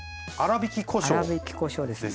粗びきこしょうですね。